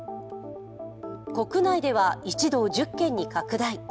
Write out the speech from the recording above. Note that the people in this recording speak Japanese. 国内では１道１０県に拡大。